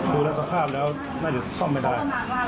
ดูแล้วสภาพแล้วน่าจะซ่อมไม่ได้